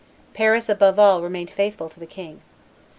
Paris, above all, remained faithful to the king.